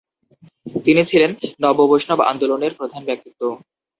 তিনি ছিলেন নব্যবৈষ্ণব আন্দোলনের প্রধান ব্যক্তিত্ব।